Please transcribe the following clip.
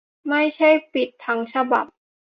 ไม่ใช่ปิดทั้งฉบับ